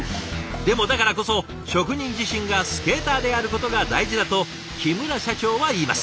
でもだからこそ職人自身がスケーターであることが大事だと木村社長は言います。